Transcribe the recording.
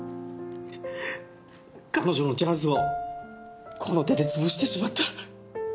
彼女のチャンスをこの手で潰してしまった。